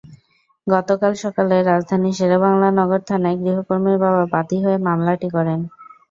গতকাল সকালে রাজধানীর শেরেবাংলা নগর থানায় গৃহকর্মীর বাবা বাদী হয়ে মামলাটি করেন।